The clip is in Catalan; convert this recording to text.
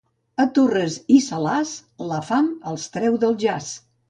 A Torres i Salàs, la fam els treu del jaç.